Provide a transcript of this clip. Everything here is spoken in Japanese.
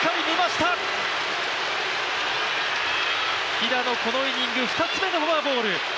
平野このイニング、２つ目のフォアボール。